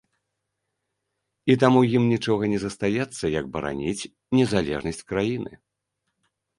І таму ім нічога не застаецца, як бараніць незалежнасць краіны.